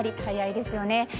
早いですよね。